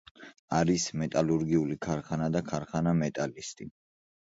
არის მეტალურგიული ქარხანა და ქარხანა „მეტალისტი“.